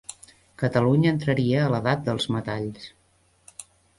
Catalunya entraria a l'edat dels metalls.